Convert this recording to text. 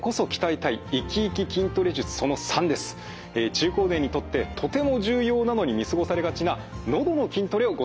中高年にとってとても重要なのに見過ごされがちなのどの筋トレをご紹介します。